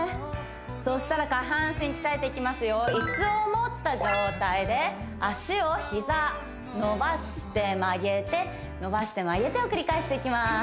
そしたら下半身鍛えていきますよ椅子を持った状態で脚を膝伸ばして曲げて伸ばして曲げてを繰り返していきます